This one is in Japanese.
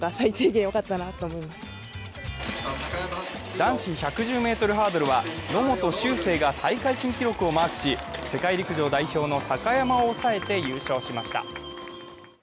男子１１０ｍハードルは、野本周成が大会新記録をマークし、世界陸上代表の高山を抑えて優勝しました。